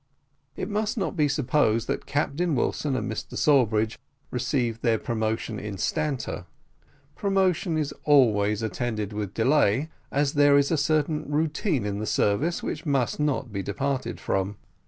It must not be supposed that Captain Wilson and Mr Sawbridge received their promotion instanter. Promotion is always attended with delay, as there is a certain routine in the service which must not be departed from.